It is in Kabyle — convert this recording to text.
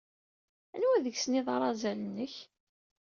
Anwa deg-sen ay d arazal-nnek?